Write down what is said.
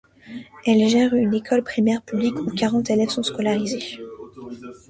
Elle gère une école primaire publique, où quarante élèves sont scolarisés.